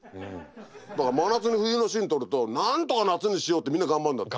だから真夏に冬のシーン撮るとなんとか夏にしようってみんな頑張るんだって。